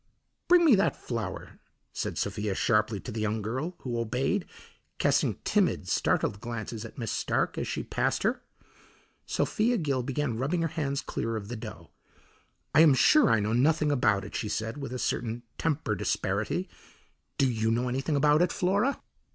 "Bring me that flour," said Sophia sharply to the young girl, who obeyed, casting timid, startled glances at Miss Stark as she passed her. Sophia Gill began rubbing her hands clear of the dough. "I am sure I know nothing about it," she said with a certain tempered asperity. "Do you know anything about it, Flora?"